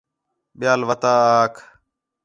ٻیال وتا آکھ